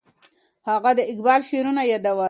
هغه د اقبال شعرونه یادول.